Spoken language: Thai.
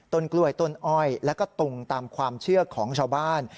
กล้วยต้นอ้อยแล้วก็ตุงตามความเชื่อของชาวบ้าน